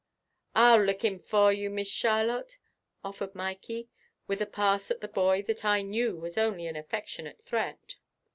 "I'll lick him fer you, Miss Charlotte," offered Mikey, with a pass at the boy that I knew was only an affectionate threat.